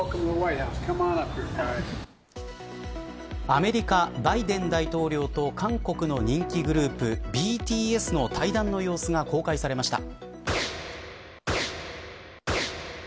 アメリカ、バイデン大統領と韓国の人気グループＢＴＳの対談の様子が公開されました。